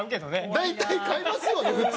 大体買いますよね普通。